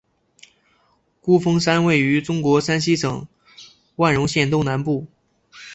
孤峰山位于中国山西省万荣县东南部。